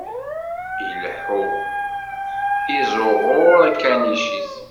Ileḥḥu, iẓẓuɣuṛ akanic-is.